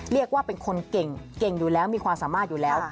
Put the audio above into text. เรียกว่าเป็นคนเก่งอยู่แล้วมีความสามารถอยู่แล้ว